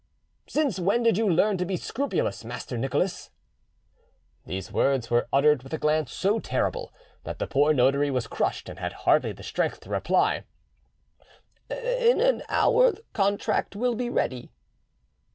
"Since when did you learn to be scrupulous, Master Nicholas?" These words were uttered with a glance so terrible that the poor notary was crushed, and had hardly the strength to reply— "In an hour the contract will be ready."